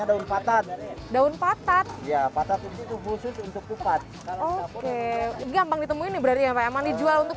daun patat ya patat itu khusus untuk kupat oke gampang ditemui berarti emang dijual untuk